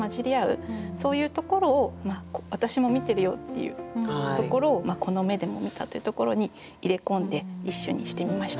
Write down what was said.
そういうところを私も見てるよっていうところを「この目でも見た」というところに入れ込んで一首にしてみました。